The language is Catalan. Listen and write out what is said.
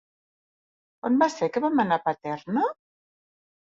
Quan va ser que vam anar a Paterna?